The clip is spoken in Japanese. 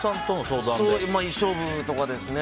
衣装部とかですね。